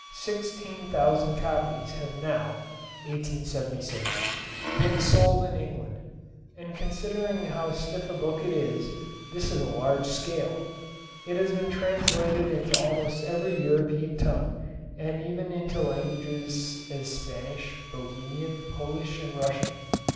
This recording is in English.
Sixteen thousand copies have now (1876) been sold in England; and considering how stiff a book it is, this is a large sale. It has been translated into almost every European tongue, even into such languages as Spanish, Bohemian, Polish, and Russian.